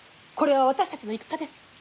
これは私たちの戦です。